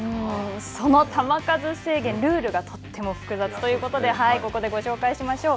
その球数制限、ルールがとっても複雑ということで、ここでご紹介しましょう。